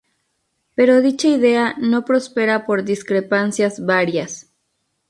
Pero dicha idea no prospera por discrepancias varias.